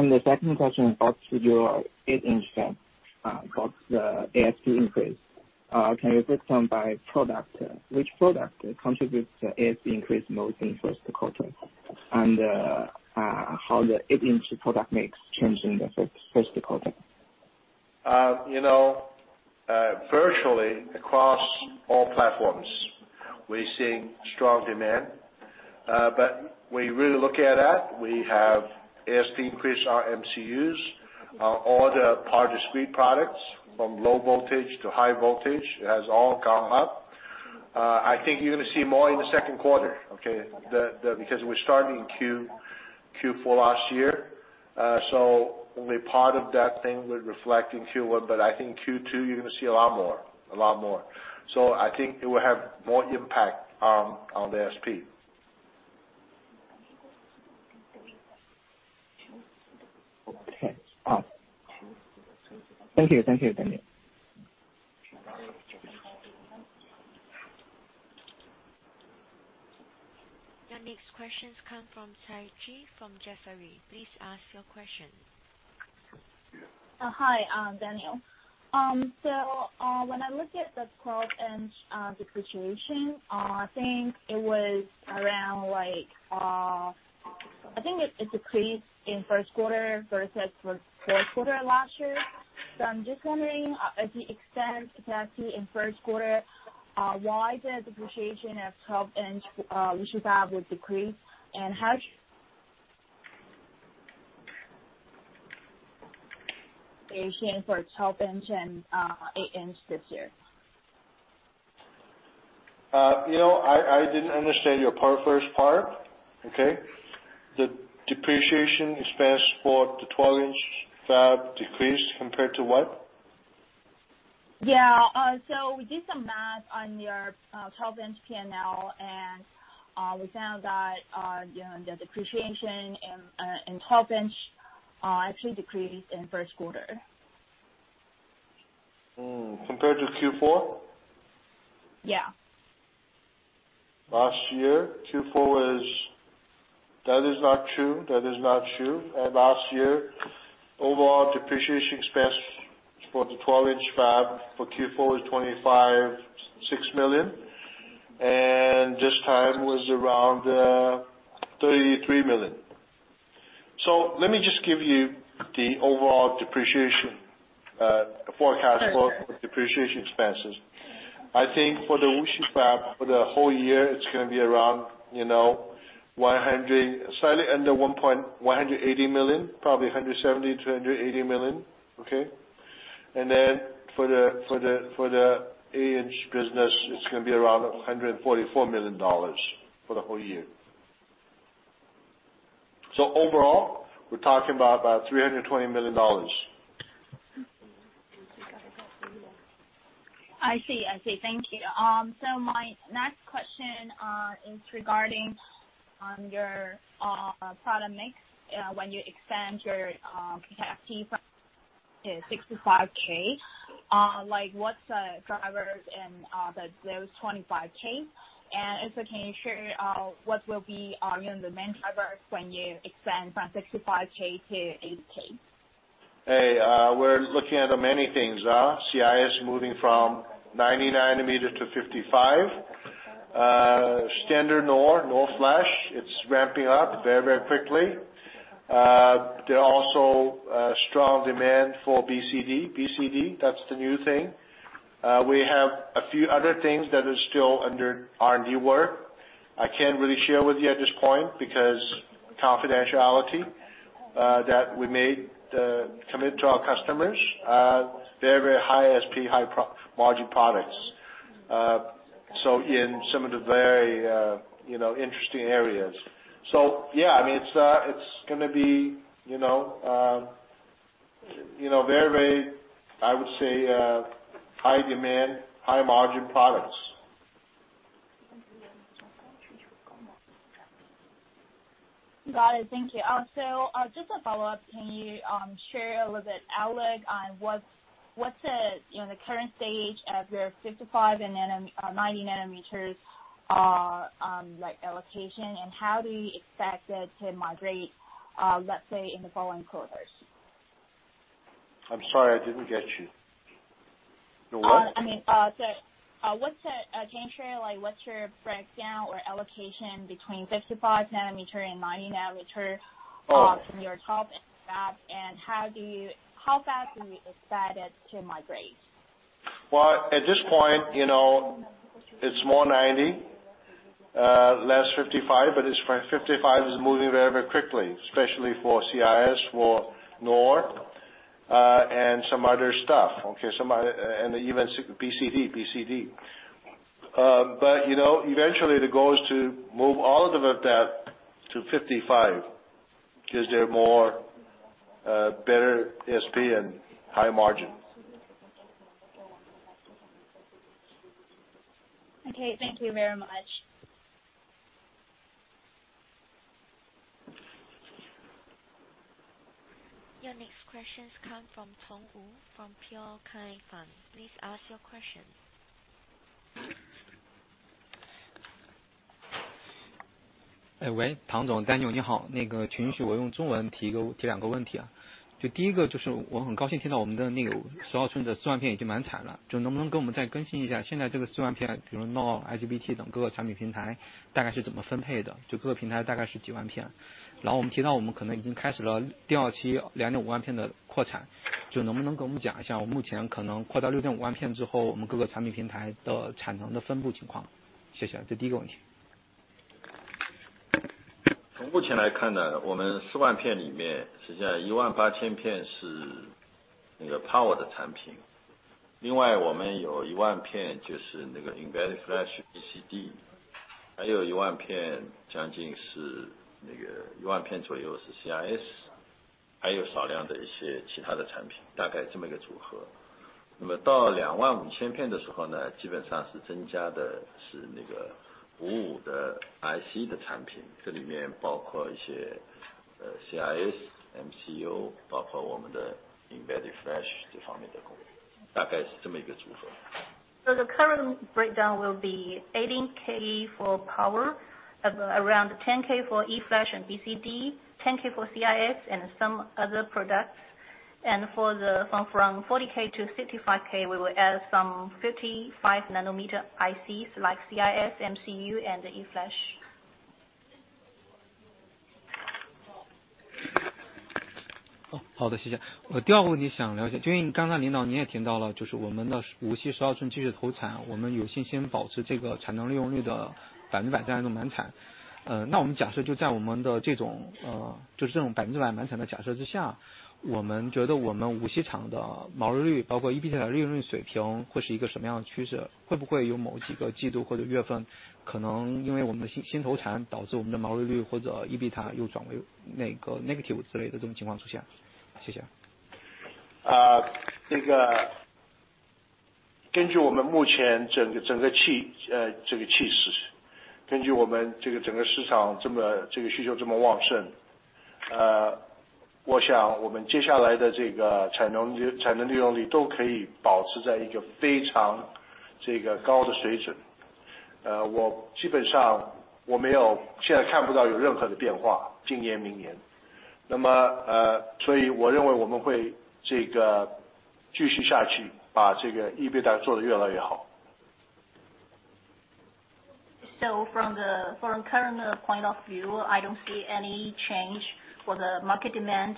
The second question about your 8-inch fab, about the ASP increase. Can you break down by product? Which product contributes to ASP increase most in first quarter? How the 8-inch product mix changed in the first quarter? Virtually across all platforms, we're seeing strong demand. We really look at that. We have ASP increase our MCUs, all the power discrete products, from low voltage to high voltage, has all gone up. I think you're going to see more in the second quarter. Okay? Because we started in Q4 last year. Only part of that thing would reflect in Q1, but I think Q2, you're going to see a lot more. I think it will have more impact on the ASP. Okay. Thank you, Daniel. Your next questions come from Saiji from Jefferies. Please ask your question. Hi, Daniel. When I look at the 12-inch depreciation, I think it decreased in first quarter versus fourth quarter last year. I'm just wondering, as you extend capacity in first quarter, why the depreciation of 12-inch Wuxi FAB would decrease? How do you see the depreciation for 12-inch and 8-inch this year? I didn't understand your first part. Okay. The depreciation expense for the 12-inch FAB decreased compared to what? Yeah. We did some math on your 12-inch P&L, and we found that the depreciation in 12-inch actually decreased in first quarter. Compared to Q4? Yeah. That is not true. Last year, overall depreciation expense for the 12-inch fab for Q4 is $25.6 million. This time was around $33 million. Let me just give you the overall depreciation forecast. Okay For depreciation expenses. I think for the Wuxi fab for the whole year, it's going to be around slightly under $180 million, probably $170 million-$180 million. Okay? Then for the 8-inch business, it's going to be around $144 million for the whole year. Overall, we're talking about $320 million. I see. Thank you. My next question is regarding your product mix when you expand your capacity from 65K. What's the drivers and those 25K? Also can you share what will be the main drivers when you expand from 65K to 80K? We're looking at many things. CIS moving from 90 nm to 55. Standard NOR flash, it's ramping up very quickly. There are also strong demand for BCD. BCD, that's the new thing. We have a few other things that are still under our new work. I can't really share with you at this point because confidentiality that we made the commit to our customers very high ASP, high margin products, so in some of the very interesting areas. Yeah, it's going to be very, I would say, high demand, high margin products. Got it. Thank you. Just a follow-up. Can you share a little bit outlook on what's the current stage of your 55 and 90 nm allocation, and how do you expect it to migrate let's say in the following quarters? I'm sorry, I didn't get you. Can you share what's your breakdown or allocation between 55 nm and 90 nm from your top and how fast do you expect it to migrate? At this point, it's more 90, less 55 is moving very quickly, especially for CIS, for NOR, and some other stuff, and even BCD. Eventually the goal is to move all of that to 55, because they're better ASP and high margin. Thank you very much. Your next questions come from Tong Wu from PLK Fund. Please ask your questions. 唐总，Daniel，你好，请允许我用中文提两个问题。第一个就是我很高兴听到我们的那个12吋的4万片已经满产了，能不能再更新一下现在这个4万片，比如NOR、IGBT等各个产品平台大概是怎么分配的，各个平台大概是几万片？然后我们提到我们可能已经开始了第二期2.5万片的扩产，能不能跟我们讲一下，目前可能扩大到6.5万片之后，我们各个产品平台的产能的分布情况？谢谢，这是第一个问题。从目前来看，我们4万片里面，实际上18000片是power的产品。另外我们有1万片就是embedded flash BCD，还有将近1万片左右是CIS，还有少量的一些其他的产品，大概这么一个组合。那么到25000片的时候，基本上增加的是55的IC的产品，这里面包括一些CIS、MCU，包括我们的embedded flash这方面的产品，大概是这么一个组合。The current breakdown will be 18K for power, around 10K for eFlash and BCD, 10K for CIS and some other products. From 40K to 65K, we will add some 55 nanometer ICs like CIS, MCU and the eFlash. 好的，谢谢。我第二个问题想了解，因为刚刚领导你也提到了，我们的无锡12吋继续投产，我们有信心保持这个产能利用率的100%这样一个满产。那我们假设就在这种100%满产的假设之下，我们觉得我们无锡厂的毛利率，包括EBITDA利润率水平会是一个什么样的趋势？会不会有某几个季度或者月份可能因为我们的新投产，导致我们的毛利率或者EBITDA又转为negative之类的这种情况出现？谢谢。根据我们目前整个趋势，根据我们整个市场需求这么旺盛，我想我们接下来的产能利用率都可以保持在一个非常高的水准。基本上，我现在看不到有任何的变化，今年明年。所以我认为我们会继续下去，把这个EBITDA做得越来越好。From current point of view, I don't see any change for the market demand.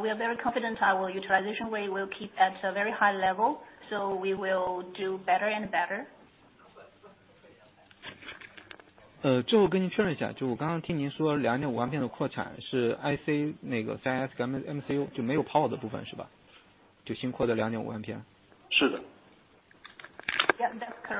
We are very confident our utilization rate will keep at a very high level. We will do better and better. 最后跟您确认一下，我刚刚听您说2.5万片的扩产是CIS跟MCU，就没有power的部分是吧？就新扩的2.5万片。是的。Yeah, that's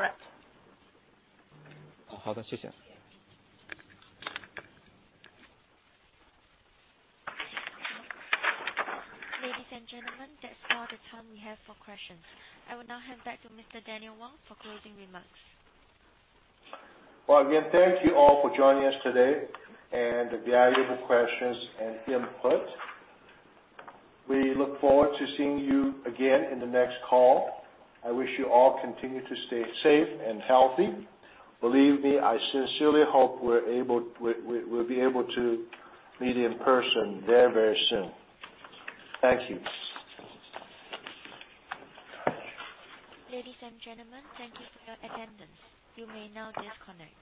correct. 好的，谢谢。Ladies and gentlemen, that's all the time we have for questions. I will now hand back to Mr. Daniel Wang for closing remarks. Well, again, thank you all for joining us today and the valuable questions and input. We look forward to seeing you again in the next call. I wish you all continue to stay safe and healthy. Believe me, I sincerely hope we'll be able to meet in person very soon. Thank you. Ladies and gentlemen, thank you for your attendance. You may now disconnect.